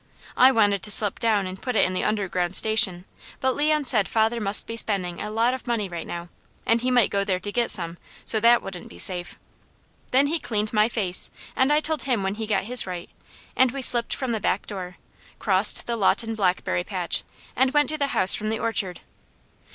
I wanted to slip down and put it in the Underground Station; but Leon said father must be spending a lot of money right now, and he might go there to get some, so that wouldn't be safe. Then he cleaned my face, and I told him when he got his right, and we slipped from the back door, crossed the Lawton blackberry patch, and went to the house from the orchard.